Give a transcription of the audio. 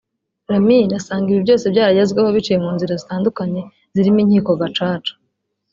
Lamin asanga ibi byose byaragezweho biciye mu nzira zitandukanye zirimo inkiko Gacaca